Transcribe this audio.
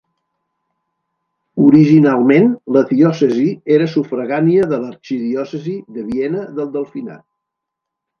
Originalment, la diòcesi era sufragània de l'arxidiòcesi de Viena del Delfinat.